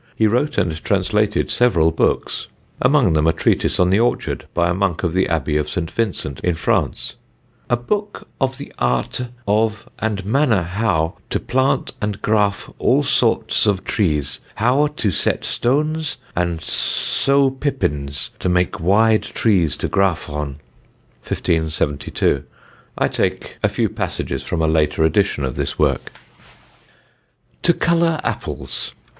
He wrote and translated several books, among them a treatise on the orchard by a monk of the Abbey of St. Vincent in France: _A Book of the Arte of and Manner howe to plant and graffe all sortes of trees, howe to set stones, and sowe Pepines to make wylde trees to graffe on_, 1572. I take a few passages from a later edition of this work: TO COLOUR APPLES.